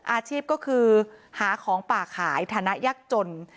อาชีพก็คือหาของป่าขายฐานะยักษ์จน